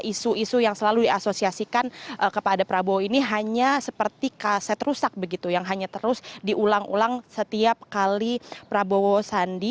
isu isu yang selalu diasosiasikan kepada prabowo ini hanya seperti kaset rusak begitu yang hanya terus diulang ulang setiap kali prabowo sandi